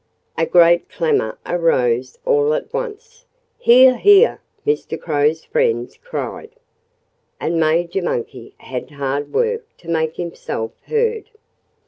A great clamor arose all at once. "Hear! Hear!" Mr. Crow's friends cried. And Major Monkey had hard work to make himself heard.